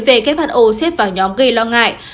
về kế hoạch ô xếp vào nhóm gây lo ngại